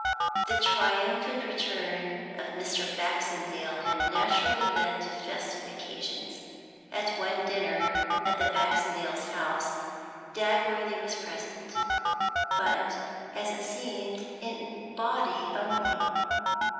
The triumphant return of Mr. Baxendale had naturally led to festive occasions; at one dinner at the Baxendales' house Dagworthy was present, but, as it seemed, in the body only.